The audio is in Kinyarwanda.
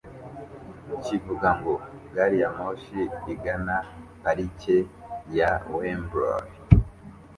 kivuga ngo "Gariyamoshi igana parike ya Wembley